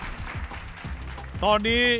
วางลินเชิญคุณยกอาหารของคุณมาเซิร์ฟก่อนครับ